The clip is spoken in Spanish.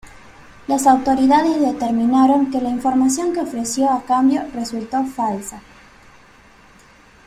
Las autoridades determinaron que la información que ofreció a cambio resultó falsa.